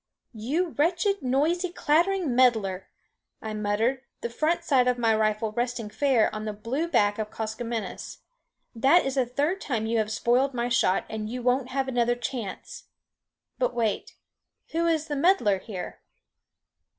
"You wretched, noisy, clattering meddler!" I muttered, the front sight of my rifle resting fair on the blue back of Koskomenos, "that is the third time you have spoiled my shot, and you won't have another chance. But wait; who is the meddler here?"